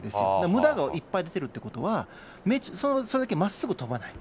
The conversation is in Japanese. むだがいっぱい出てるっていうことは、それだけまっすぐ飛ばない。